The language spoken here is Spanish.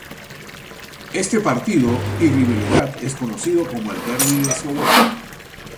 Este partido y rivalidad es conocido como el "Derbi de Soweto".